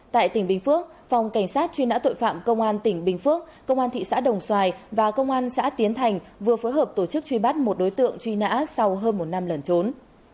tại tỉnh bình phước phòng cảnh sát truy nã tội phạm công an tỉnh bình phước công an thị xã đồng xoài và công an xã tiến thành vừa phối hợp tổ chức truy bắt một đối tượng truy nã sau hơn một năm lần trốn